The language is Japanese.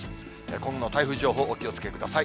今後の台風情報、お気をつけください。